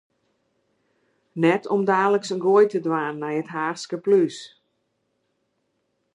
Net om daliks in goai te dwaan nei it Haachske plús.